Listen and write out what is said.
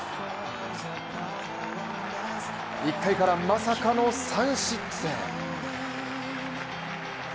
１回からまさかの３失点。